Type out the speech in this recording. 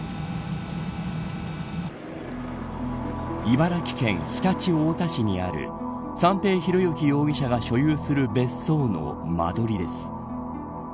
茨城県常陸太田市にある三瓶博幸容疑者が所有する別荘の間取りです。